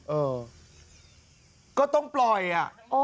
เออก็ต้องปล่อยอ่ะ